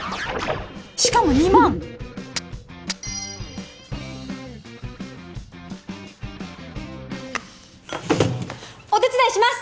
しかも２万お手伝いします！